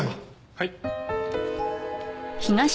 はい。